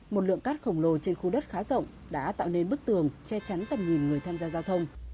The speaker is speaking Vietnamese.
một lượng cát khổng lồ trên khu đất khá rộng đã tạo nên bức tường che chắn tầm nhìn người tham gia giao thông